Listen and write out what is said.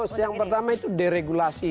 yang pertama itu deregulasi